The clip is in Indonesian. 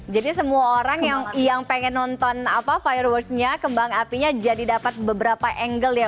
semua orang yang pengen nonton firewast nya kembang apinya jadi dapat beberapa angle ya